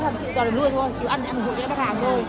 thật sự toàn đồ nuôi thôi chị ăn em hộ cho em bắt hàng thôi